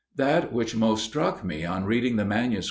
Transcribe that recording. [Q] That which most struck me on reading the MSS.